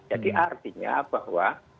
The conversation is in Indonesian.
jadi artinya bahwa